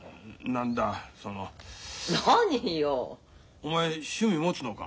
お前趣味持つのか。